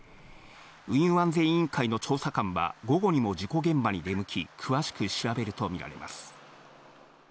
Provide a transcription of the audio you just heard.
運輸安全委員会の調査官は午後にも事故現場に出向き、詳しく調べるとみられます。